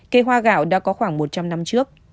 cây hoa gạo đã có khoảng một trăm linh năm trước